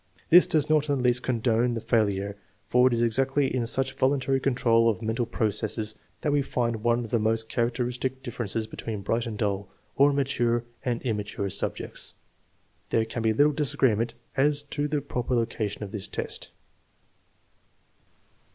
This does not in the least condone the fail ure, for it is exactly in such voluntary control of mental processes that we find one of the most characteristic dif ferences between bright and dull, or mature and immature subjects. There has been little disagreement as to the proper loca tion of this test.